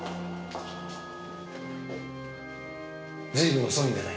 随分遅いんだね。